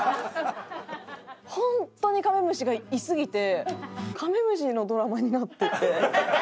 本当にカメムシがいすぎてカメムシのドラマになってて。